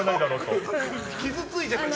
傷ついちゃったよ